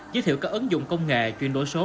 giới thiệu các ứng dụng công nghệ chuyển đổi số